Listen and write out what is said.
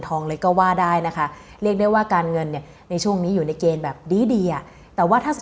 ก่อนนี้แสดงว่าต้องให้ชาวราศีลสิงหรือตัวนี้